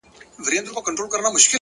پر ځان کار کول غوره پانګونه ده.!